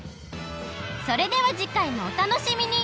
それでは次回もお楽しみに！